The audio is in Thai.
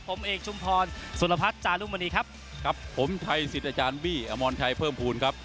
ผมเอกชุมพรสุรพัฒน์จารุมณีครับกับผมชัยสิทธิ์อาจารย์บี้อมรชัยเพิ่มภูมิครับ